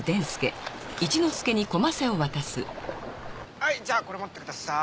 はいじゃあこれ持ってください。